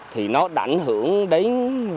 thì nó đảnh hưởng đến